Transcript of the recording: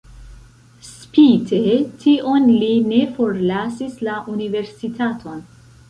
Spite tion li ne forlasis la universitaton.